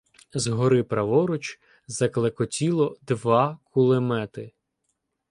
З гори праворуч заклекотіло два кулемети.